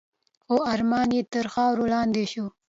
خو ارمان یې تر خاورو لاندي شو .